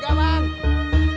mas kagak beli bubur dulu